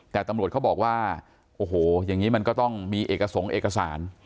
แต่ตำรวจเขาบอกว่าโอ้โหอย่างนี้มันก็ต้องมีเอกสงค์เอกสาร